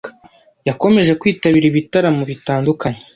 yakomeje kwitabira ibitaramo bitandukanye